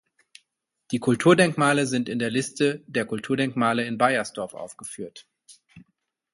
Die Kulturdenkmale sind in der Liste der Kulturdenkmale in Beiersdorf aufgeführt.